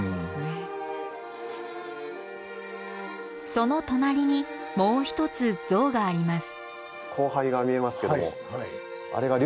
その隣にもう一つ像があります。